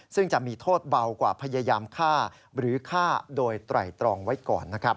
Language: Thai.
ซึ่งจะมีโทษเบากว่าพยายามฆ่าหรือฆ่าโดยไตรตรองไว้ก่อนนะครับ